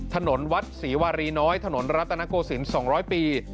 ถนนวัดศรีวารีน้อยถนนรัตนโกศิลป์๒๐๐ปี